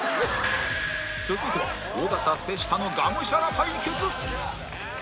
続いては尾形瀬下のガムシャラ対決！